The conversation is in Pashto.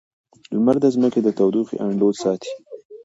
لمر د ځمکې د تودوخې انډول ساتي.